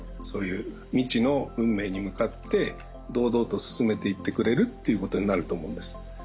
そういう未知の運命に向かって堂々と進めていってくれるということになると思うんです。